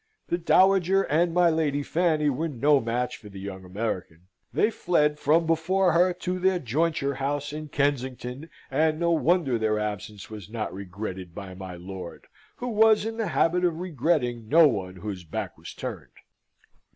The dowager and my Lady Fanny were no match for the young American: they fled from before her to their jointure house in Kensington, and no wonder their absence was not regretted by my lord, who was in the habit of regretting no one whose back was turned.